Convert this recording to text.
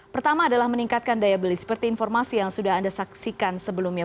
pertama adalah meningkatkan daya beli seperti informasi yang sudah anda saksikan sebelumnya